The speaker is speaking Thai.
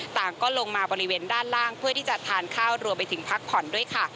ต่างก็ลงมาบริเวณด้านล่างเพื่อที่จะทานข้าวรวมไปถึงพักผ่อนด้วยค่ะ